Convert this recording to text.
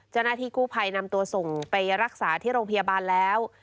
เจ้าหน้าที่กู้ภัยนำตัวส่งไปรักษาที่โรงพยาบาลแล้ว